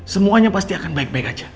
semuanya pasti akan baik baik aja